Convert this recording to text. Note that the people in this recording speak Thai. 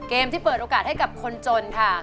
ที่เปิดโอกาสให้กับคนจนค่ะ